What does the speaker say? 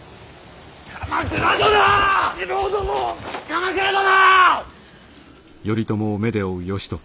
鎌倉殿！